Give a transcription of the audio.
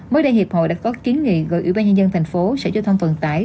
mới đây hiệp hội đã có kiến nghị gọi ủy ban nhân dân tp hcm cho thông phần tải